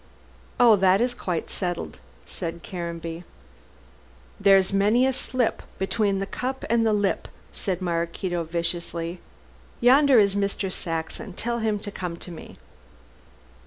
"Oh, that is quite settled," said Caranby. "There's many a slip between the cup and the lip," said Maraquito viciously. "Yonder is Mr. Saxon. Tell him to come to me."